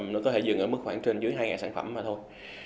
nó có thể dừng ở mức khoảng trên dưới hai sản phẩm mà thôi